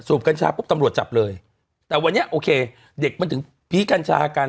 กัญชาปุ๊บตำรวจจับเลยแต่วันนี้โอเคเด็กมันถึงผีกัญชากัน